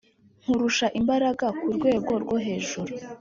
Nkurusha imbaraga kurwegw rwo hejuru